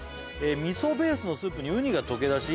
「みそベースのスープにうにが溶け出し」